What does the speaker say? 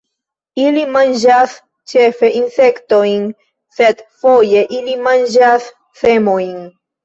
Ili manĝas ĉefe insektojn, sed foje ili manĝas semojn.